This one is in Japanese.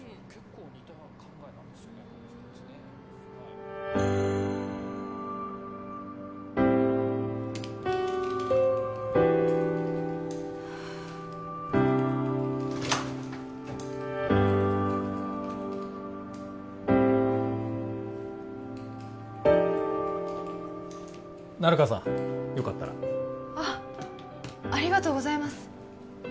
この人達ね成川さんよかったらあっありがとうございます